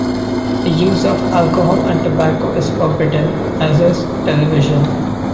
The use of alcohol and tobacco is forbidden, as is television.